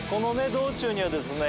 道中にはですね